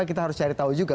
kita harus cari tahu juga